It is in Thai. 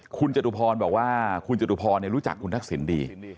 คุณจตุพรบอกว่าคุณจตุพรรู้จักคุณทักษิณดี